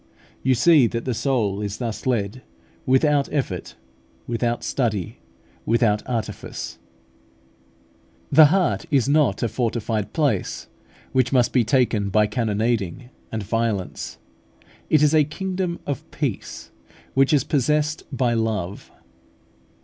You see that the soul is thus led, without effort, without study, without artifice. The heart is not a fortified place, which must be taken by cannonading and violence: it is a kingdom of peace, which is possessed by love.